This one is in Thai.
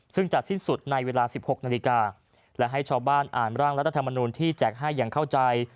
ซึ่งจะสิ้นสุดในเวลา๑๖นาฬิกาและให้ชาวบ้านอ่านร่างรัฐธรรมนูลที่แจกให้อย่างเข้าใจ